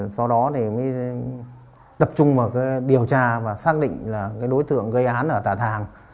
sau đó thì mới tập trung vào cái điều tra và xác định là cái đối tượng gây án ở tà thàng